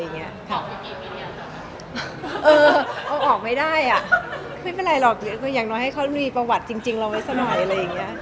เอาออกไม่ได้ไม่เป็นไรหรอกอย่างน้อยให้เขามีประวัติจริงลงไว้สักหน่อย